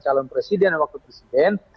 calon presiden dan wakil presiden